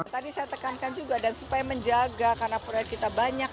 tadi saya tekankan juga dan supaya menjaga karena proyek kita banyak